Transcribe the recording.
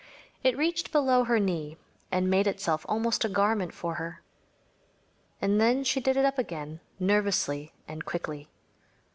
It reached below her knee and made itself almost a garment for her. And then she did it up again nervously and quickly.